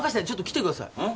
ちょっと来てください。